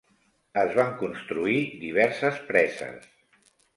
Es van construir diverses preses.